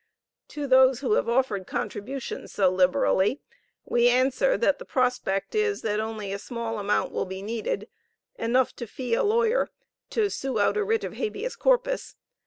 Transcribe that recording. To those who have offered contributions so liberally, we answer, that the prospect is, that only a small amount will be needed enough to fee a lawyer to sue out a writ of habeas corpus.